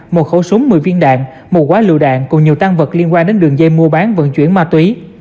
một khẩu súng một mươi viên đạn một quái lựu đạn cùng nhiều tăng vật liên quan đến đường dây mua bán vận chuyển ma túy